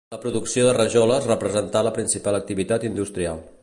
La producció de rajoles representà la principal activitat industrial.